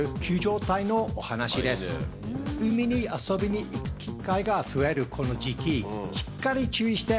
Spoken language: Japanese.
海に遊びに行く機会が増えるこの時期。